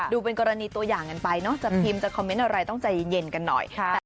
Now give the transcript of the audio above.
ดูเป็นกรณีตัวอย่างกันไปเนอะจะพิมพ์จะคอมเมนต์อะไรต้องใจเย็นกันหน่อย